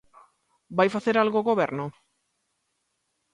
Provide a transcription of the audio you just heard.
¿Vai facer algo o Goberno?